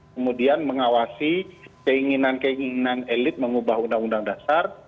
kemudian mengawasi keinginan keinginan elit mengubah undang undang dasar